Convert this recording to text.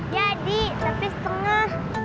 ya dik tapi setengah